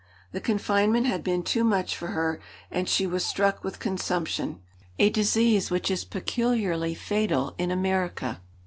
The confinement had been too much for her, and she was struck with consumption—a disease which is peculiarly fatal in America.